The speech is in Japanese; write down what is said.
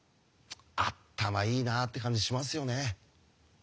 「あったまいいな」って感じしますよね。